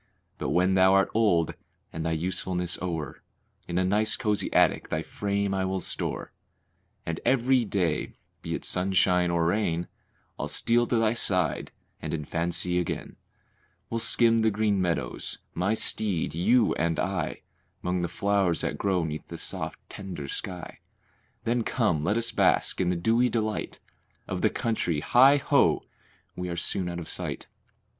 But when thou art old and thy usefulness o'er, In a nice, cozy attic thy frame I will store, And every day, be it sunshine or rain, I'll steal to thy side and in fancy again We'll skim the green meadows, my steed, you and I, 'Mong the flowers that grow 'neath the soft, tender sky. Then come, let us bask in the dewy delight Of the country hi! ho! we are soon out of sight.